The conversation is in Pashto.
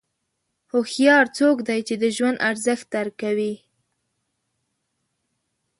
هوښیار څوک دی چې د ژوند ارزښت درک کوي.